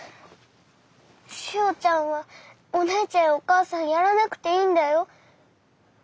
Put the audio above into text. しおちゃんはお姉ちゃんやお母さんやらなくていいんだよ。